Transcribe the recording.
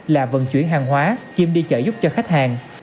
là vận chuyển hàng hóa chìm đi chở giúp cho khách hàng